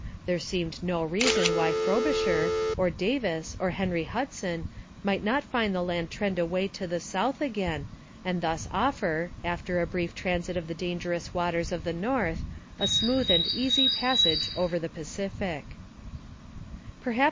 There seemed no reason why Frobisher, or Davis, or Henry Hudson might not find the land trend away to the south again and thus offer, after a brief transit of the dangerous waters of the north, a smooth and easy passage over the Pacific.